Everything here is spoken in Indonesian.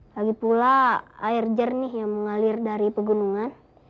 lagipula air jernih yang mengalir dari pegunungan